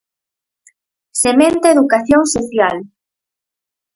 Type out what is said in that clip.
Sementa Educación Social!